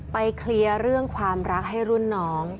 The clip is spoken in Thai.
เคลียร์เรื่องความรักให้รุ่นน้อง